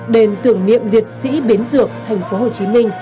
đền tưởng niệm liệt sĩ bến dược tp hcm